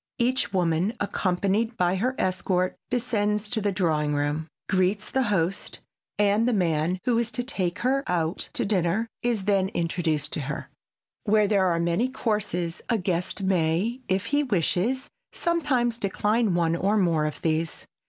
Each woman, accompanied by her escort, descends to the drawing room, greets the hosts, and the man who is to take her out to dinner is then introduced to her. Where there are many courses a guest may, if he wish, sometimes decline one or more of these.